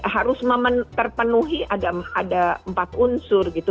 harus terpenuhi ada empat unsur gitu